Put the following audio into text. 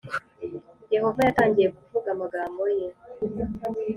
yehova yatangiye kuvuga amagambo ye